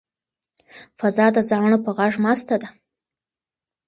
فضا د زاڼو په غږ مسته ده.